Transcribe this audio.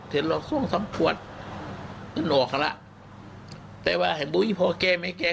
เทลห์สองสามขวดแล้วออกอ่ะล่ะแต่ว่าเห็นบุ๊ยพ่อแก่ไหมแก่